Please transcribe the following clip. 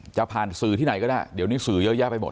จะผ่านสื่อที่ไหนก็ได้เดี๋ยวนี้สื่อเยอะแยะไปหมด